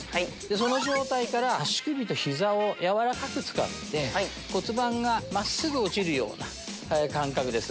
その状態から足首と膝を柔らかく使って骨盤が真っすぐ落ちるような感覚です。